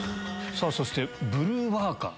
そしてブルワーカー。